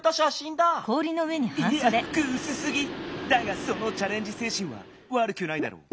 だがそのチャレンジせいしんはわるくないだろう。